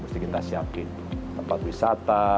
mesti kita siapin tempat wisata